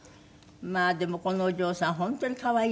まあでもこのお嬢さん本当に可愛いね。